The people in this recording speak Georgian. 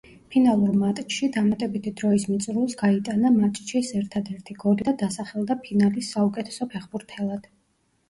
ფინალურ მატჩში დამატებითი დროის მიწურულს გაიტანა მატჩის ერთადერთი გოლი და დასახელდა ფინალის საუკეთესო ფეხბურთელად.